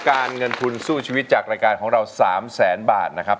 การเงินทุนสู้ชีวิตจากรายการของเรา๓แสนบาทนะครับ